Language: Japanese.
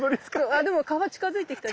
あでも川近づいてきたよ。